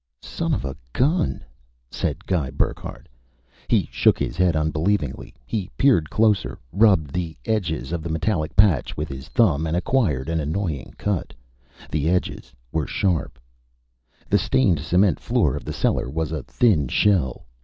"Son of a gun," said Guy Burckhardt. He shook his head unbelievingly. He peered closer, rubbed the edges of the metallic patch with his thumb and acquired an annoying cut the edges were sharp. The stained cement floor of the cellar was a thin shell.